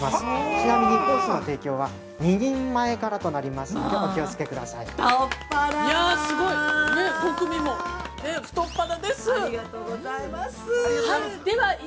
ちなみに、コースの提供は、２人前からとなりますのでお気をつけください。